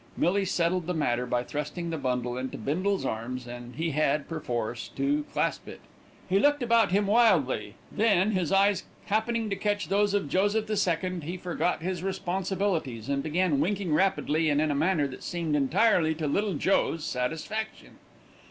Millie settled the matter by thrusting the bundle into Bindle's arms and he had, perforce, to clasp it. He looked about him wildly, then, his eyes happening to catch those of Joseph the Second, he forgot his responsibilities, and began winking rapidly and in a manner that seemed entirely to Little Joe's satisfaction.